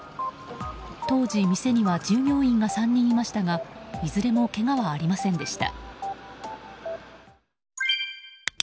当時店には従業員が３人いましたがいずれもけがはありませんでした。